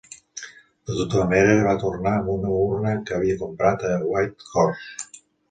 De tota manera, va tornar amb una urna que havia comprat a Whitehorse.